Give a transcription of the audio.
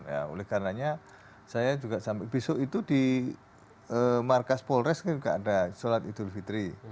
nah oleh karenanya saya juga sampai besok itu di markas polres kan juga ada sholat idul fitri